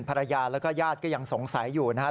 ภรรยาแล้วก็ญาติก็ยังสงสัยอยู่นะครับ